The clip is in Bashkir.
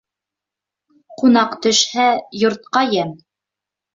Ҡунаҡ төшһә, йортҡа йәм.